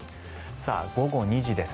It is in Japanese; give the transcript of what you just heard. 午後２時です。